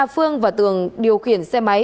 phương và tường điều khiển xe máy